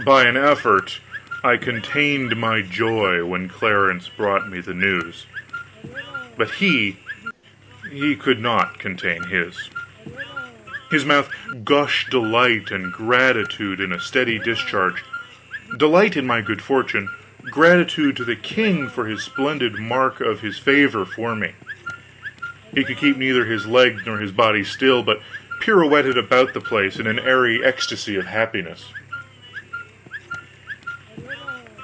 By an effort, I contained my joy when Clarence brought me the news. But he he could not contain his. His mouth gushed delight and gratitude in a steady discharge delight in my good fortune, gratitude to the king for this splendid mark of his favor for me. He could keep neither his legs nor his body still, but pirouetted about the place in an airy ecstasy of happiness.